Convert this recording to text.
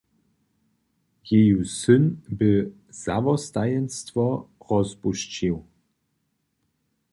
Jeju syn bě zawostajenstwo rozpušćił.